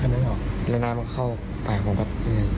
แล้วน้ำเข้าไปของผมก็